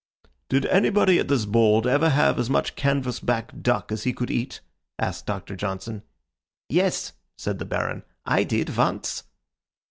"Did anybody at this board ever have as much canvas back duck as he could eat?" asked Doctor Johnson. "Yes," said the Baron. "I did. Once."